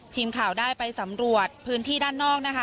ทีมข่าวได้ไปสำรวจพื้นที่ด้านนอกนะคะ